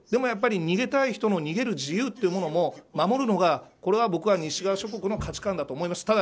でも、逃げたい人の逃げる自由も守るのがこれは僕は西側諸国の価値観だと思います。